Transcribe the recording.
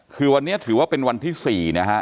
คือวันนี้ถือว่าเป็นวันที่๔นะฮะ